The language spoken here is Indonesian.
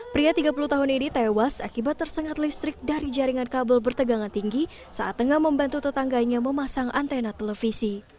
pria tiga puluh tahun ini tewas akibat tersengat listrik dari jaringan kabel bertegangan tinggi saat tengah membantu tetangganya memasang antena televisi